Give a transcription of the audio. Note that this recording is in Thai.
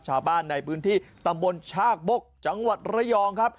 ชาวบ้านในพื้นที่ตำบลชากบกจังหวัดระยองครับ